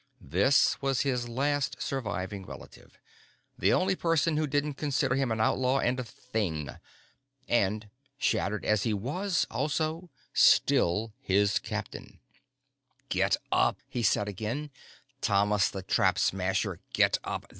This was his last surviving relative, the only person who didn't consider him an outlaw and a thing. And, shattered as he was, also still his captain. "Get up!" he said again. "Thomas the Trap Smasher, get up!